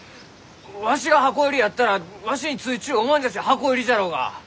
わしが箱入りやったらわしについちゅうおまんじゃち箱入りじゃろうが！